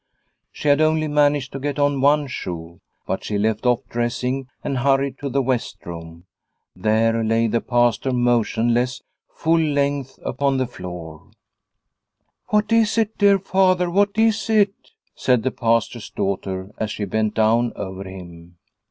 She had only managed to get on one shoe, but she left off dressing and hurried to the west room. There lay the Pastor motionless, full length The Water Spirits in Lovdala 255 upon the floor. " What is it, dear Father, what is it ?" said the Pastor's daughter as she bent down over him.